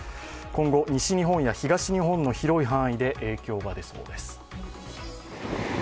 今後、西日本や東日本の広い範囲で影響が出そうです。